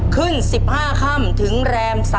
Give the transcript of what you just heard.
ขึ้น๑๕ค่ำถึงแรม๓